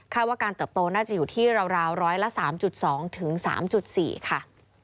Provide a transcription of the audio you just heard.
ว่าการเติบโตน่าจะอยู่ที่ราวร้อยละ๓๒๓๔ค่ะ